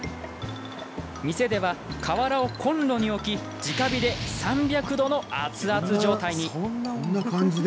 店では、瓦をコンロに置きじか火で３００度の熱々状態に。